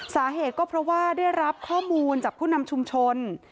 สาเหตุก็เพราะว่าได้รับข้อมูลจากผู้นำชุมชน